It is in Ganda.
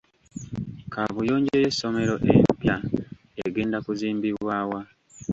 Kaabuyonjo y'essomero empya egenda kuzimbibwa wa?